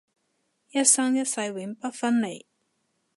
一生一世永不分離